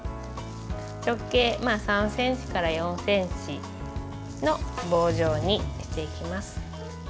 直径３ｃｍから４ｃｍの棒状にしていきます。